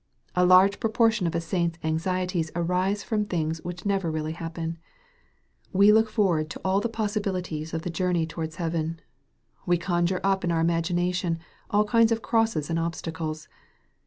A large proportion of a saint's anxieties arise from things which never really happen. We look forward to all the possi bilities of the journey towards heaven. We conjure up in our imagination all kind of crosses and obstacles.